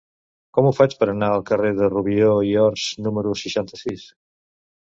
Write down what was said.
Com ho faig per anar al carrer de Rubió i Ors número seixanta-sis?